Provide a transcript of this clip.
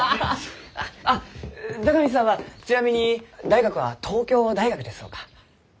あっ孝光さんはちなみに大学は東京大学ですろうか？